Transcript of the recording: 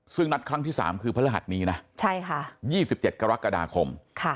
ซึ่งนัดครั้งที่๓คือพระรหัสนี้นะ๒๗กรกฎาคม